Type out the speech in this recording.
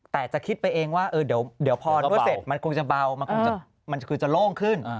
แต่จะคิดไปเองว่าเดี๋ยวพอนวดเสร็จมันคงจะเบามันคงจะโล่งขึ้น